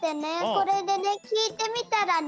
それでねきいてみたらね